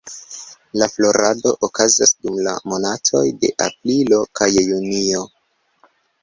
La florado okazas dum la monatoj de aprilo kaj junio.